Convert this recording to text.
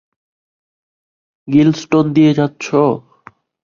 গিলস্টন দিয়ে যাচ্ছো?